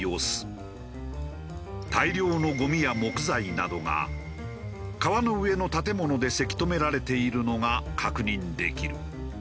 大量のゴミや木材などが川の上の建物でせき止められているのが確認できる。